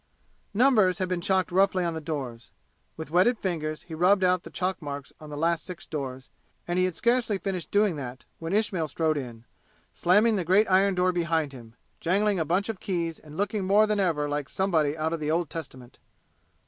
Numbers had been chalked roughly on the doors. With wetted fingers he rubbed out the chalk marks on the last six doors, and he had scarcely finished doing that when Ismail strode in, slamming the great iron door behind him, jangling a bunch of keys and looking more than ever like somebody out of the Old Testament.